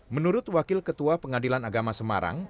menurut wakil ketua pengadilan agama semarang